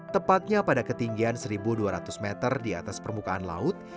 tepatnya pada ketinggian satu dua ratus meter di atas permukaan laut